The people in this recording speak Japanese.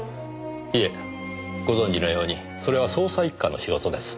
いえご存じのようにそれは捜査一課の仕事です。